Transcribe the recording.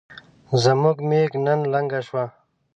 زموږ ميږ نن لنګه شوه